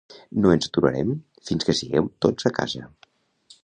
No ens aturarem fins que sigueu tots a casa!